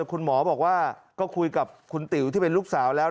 คุณหมอบอกว่าก็คุยกับคุณติ๋วที่เป็นลูกสาวแล้ว